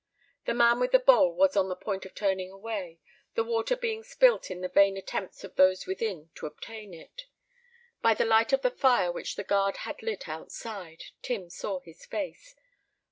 The man with the bowl was on the point of turning away, the water being spilt in the vain attempts of those within to obtain it. By the light of the fire which the guard had lit outside, Tim saw his face.